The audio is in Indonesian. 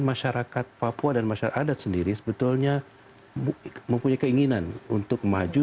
masyarakat papua dan masyarakat sendiri sebetulnya mempunyai keinginan untuk maju